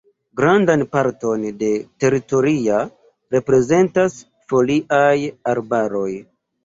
Grandan parton de teritoria reprezentas foliaj arbaroj.